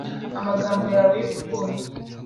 Amagambo yawe y’urukundo